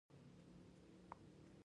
د کور په فرش کې وارخطا ځایونه وو.